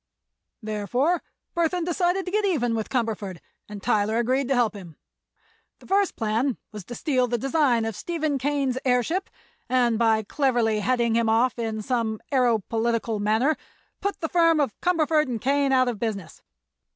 "Therefore Burthon decided to get even with Cumberford, and Tyler agreed to help him. The first plan was to steal the design of Stephen Kane's airship and by cleverly heading him off in some aëro political manner put the firm of Cumberford & Kane out of business.